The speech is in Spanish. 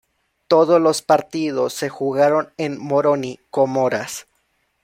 Todos los partidos se jugaron en Moroni, Comoras.